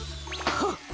はっ！